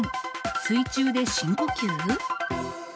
水中で深呼吸？